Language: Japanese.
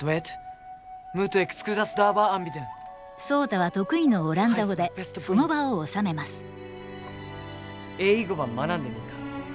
壮多は得意のオランダ語でその場を収めます。